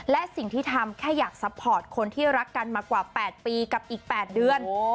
และสิ่งที่ทำแค่อยากซัพพอร์ตคนที่รักกันมากว่า๘ปีกับอีก๘เดือน